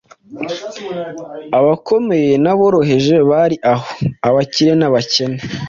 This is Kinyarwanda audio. Abakomeye n’aboroheje bari aho, abakire n’abakene,